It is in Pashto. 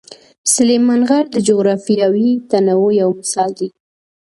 سلیمان غر د جغرافیوي تنوع یو مثال دی.